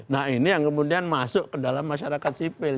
nah ini yang kemudian masuk ke dalam masyarakat sipil